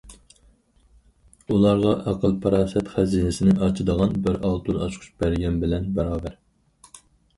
ئۇلارغا ئەقىل- پاراسەت خەزىنىسىنى ئاچىدىغان بىر ئالتۇن ئاچقۇچ بەرگەن بىلەن باراۋەر.